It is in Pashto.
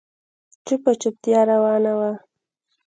چوپه چوپتيا روانه وه.